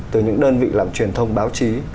từ những đơn vị làm truyền thông báo chí